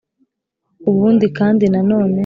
ubundi kandi na none,